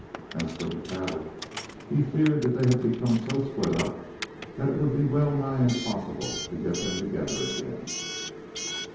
As for the cattle, he feared that they had become so split up that it would be well nigh impossible to get them together again.